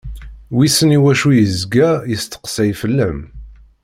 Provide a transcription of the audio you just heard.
Wissen i wacu i yezga yesteqsay-s fell-am.